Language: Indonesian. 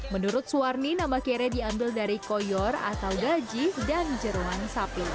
menurut suwarni nama kere diambil dari koyor atau gaji dan jeruan sapi